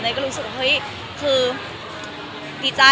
ก็รู้สึกว่าเฮ้ยคือดีใจ